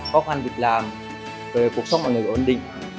khó khăn việc làm cuộc sống của mọi người ổn định